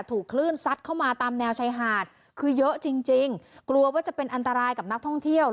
ถูกคลื่นซัดเข้ามาตามแนวชายหาดคือเยอะจริงจริงกลัวว่าจะเป็นอันตรายกับนักท่องเที่ยว